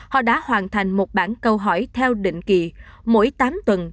họ đã hoàn thành một bản câu hỏi theo định kỳ mỗi tám tuần